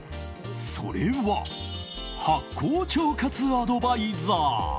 それは発酵腸活アドバイザー。